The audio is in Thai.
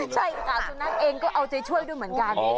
ใช่ค่ะสุนัขเองก็เอาใจช่วยด้วยเหมือนกัน